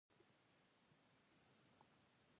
مېز د دفتر یو اړین سامان دی.